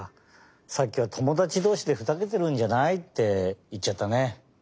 さっきは「ともだちどうしでふざけてるんじゃない？」っていっちゃったね。